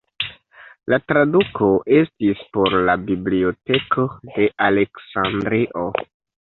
La traduko estis por la Biblioteko de Aleksandrio.